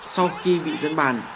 sau khi bị dẫn bàn